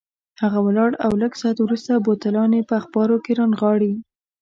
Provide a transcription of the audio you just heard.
هغه ولاړ او لږ ساعت وروسته بوتلان یې په اخبارو کې رانغاړلي.